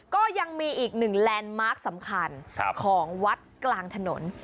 ก็ยังมีอีกหนึ่งแลนด์มาร์คสำคัญของวัดกลางถนน